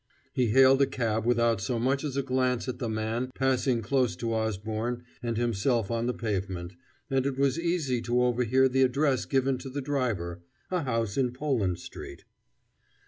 He hailed a cab without so much as a glance at the man passing close to Osborne and himself on the pavement, and it was easy to overhear the address given to the driver a house in Poland Street.